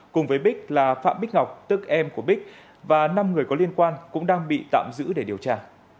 cùng với bích là phạm bích ngọc tức em của bích và năm người có liên quan cũng đang bị tạm giữ để điều tra